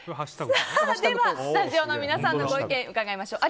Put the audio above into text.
では、スタジオの皆さんのご意見伺いましょう。